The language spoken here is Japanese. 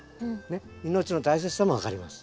ねっ命の大切さも分かります。